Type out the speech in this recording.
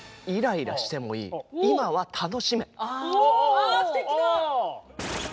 あすてきな！